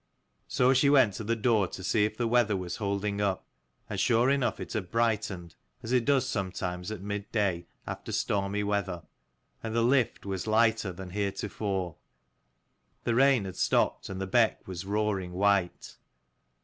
So she went to the door to see if the weather was holding up : and sure enough it had brightened, as it does sometimes at mid day after stormy weather, and the lift was lighter than hereto fore. The rain had stopped, and the beck was roaring white.